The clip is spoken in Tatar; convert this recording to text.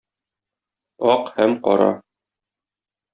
Ак һәм кара.